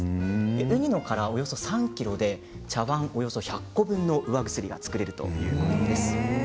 ウニの殻およそ３ｋｇで茶わんおよそ１００個分の釉薬が作れるということです。